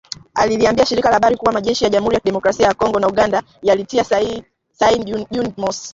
Aliliambia shirika la habari kuwa majeshi ya Jamhuri ya kidemokrasia ya kongo na Uganda yalitia saini Juni mosi.